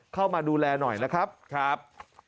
เข้ามาดูแลหน่อยนะครับ